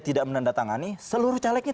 tidak menandatangani seluruh calegnya